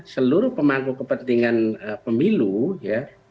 seluruh pemangku kepentingan pemilu ya